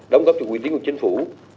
đóng góp cho quý tính của chính phủ